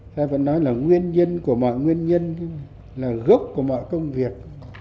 ta vẫn nói là nguyên nhân của mọi nguyên nhân là gốc của mọi công việc